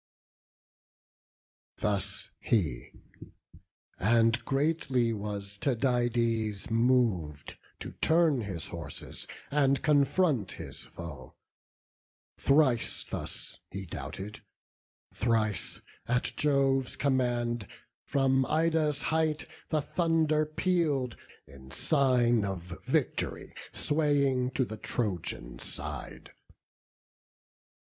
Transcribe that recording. Thus he; and greatly was Tydides mov'd To turn his horses, and confront his foe: Thrice thus he doubted; thrice, at Jove's command, From Ida's height the thunder peal'd, in sign Of vict'ry swaying to the Trojan side.